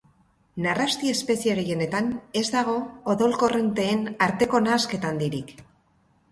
Narrasti-espezie gehienetan, ez dago odol-korronteen arteko nahasketa handirik.